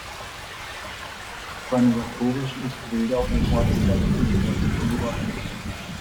Organisatorisch ist Wildau dem Ortsteil Eichhorst zugeordnet.